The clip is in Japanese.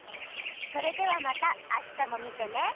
それではまた明日も見てね！